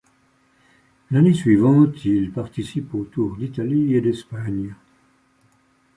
L'année suivante, il participe aux Tours d'Italie et d'Espagne.